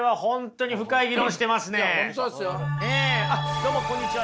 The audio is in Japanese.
どうもこんにちは。